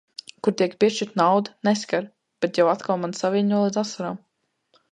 Kur tiek piešķirta nauda, neskar, bet jau atkal mani saviļņo līdz asarām.